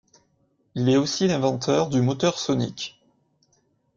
Il est aussi l'inventeur du moteur sonique.